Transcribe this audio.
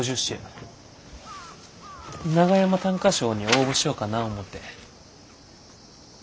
長山短歌賞に応募しよかな思て。